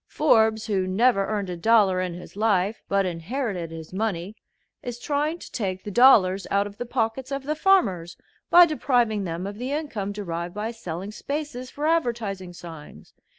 Forbes, who never earned a dollar in his life, but inherited his money, is trying to take the dollars out of the pockets of the farmers by depriving them of the income derived by selling spaces for advertising signs.